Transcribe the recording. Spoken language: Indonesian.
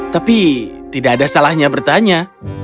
tapi tidak ada salahnya bertanya